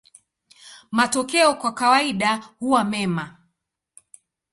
Matokeo kwa kawaida huwa mema.